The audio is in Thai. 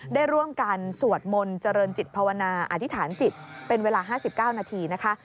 ได้ร่วมกันสวดมนต์เจริญจิตภาวนาอธิษฐานจิตเป็นเวลา๕๙นาทีนะคะ